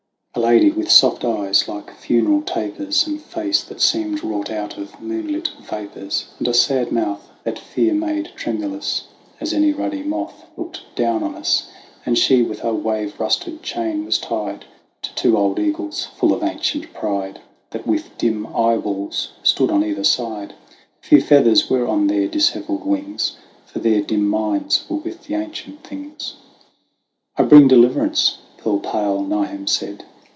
A maiden with soft eyes like funeral tapers, And face that seemed wrought out of moonlit vapours, And a sad mouth, that fear made tremulous As any ruddy moth, looked down on us ; And she with a wave rusted chain was tied THE WANDERINGS OF OISIN 103 To two old eagles, full of ancient pride, That with dim eyeballs stood on either side. Few feathers were on their dishevelled wings, For their dim minds were with the ancient things. "I bring deliverance," pearl pale Niamh said.